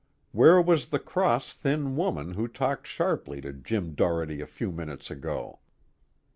Where was the cross thin woman who talked sharply to Jim Doherty a few minutes ago?